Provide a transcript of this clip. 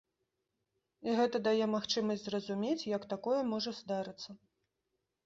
І гэта дае магчымасць зразумець, як такое можа здарыцца.